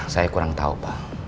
saya kurang tahu pak